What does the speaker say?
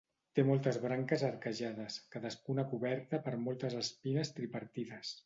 Té moltes branques arquejades, cadascuna coberta per moltes espines tripartides.